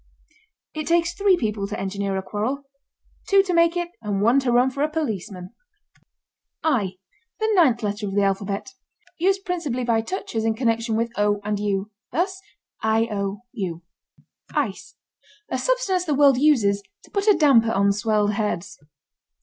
It takes three people to engineer a quarrel two to make it and one to run for a policeman. ### I: The ninth letter of the alphabet. Used principally by touchers in connection with O and U. Thus, I. O. U. ###ICE. A substance the world uses to put a damper on swelled heads.